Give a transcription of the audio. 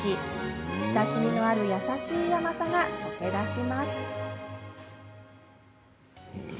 親しみのある優しい甘さが溶け出します。